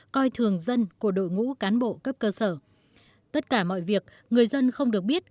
coi thường dân của đội ngũ cán bộ cấp cơ sở tất cả mọi việc người dân không được biết